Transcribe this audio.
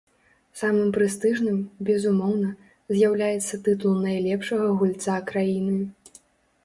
Самым прэстыжным, безумоўна, з'яўляецца тытул найлепшага гульца краіны.